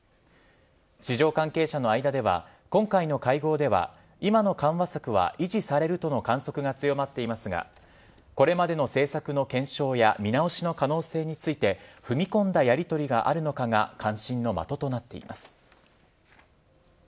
市場関係者の間では今回の会合では今の緩和策は維持されるとの観測が強まっていますがこれまでの政策の検証や見直しの可能性について踏み込んだやりとりがあるのかが関心の的となっています。